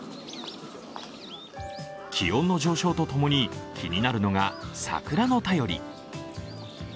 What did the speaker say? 気温の上昇とともに気になるのが桜の便り。